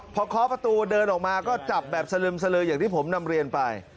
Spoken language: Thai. พอเคาะประตูเดินออกมาก็จับแบบสลึมสลืออย่างที่ผมนำเรียนไป